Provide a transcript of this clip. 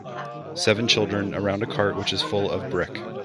seven children around a cart which is full of brick